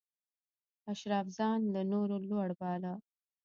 اشراف ځان له نورو لوړ باله.